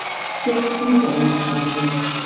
Què explica la història?